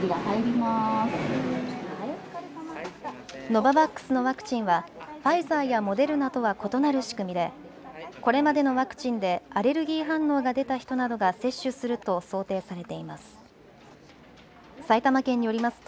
ノババックスのワクチンはファイザーやモデルナとは異なる仕組みでこれまでのワクチンでアレルギー反応が出た人などが接種すると想定されています。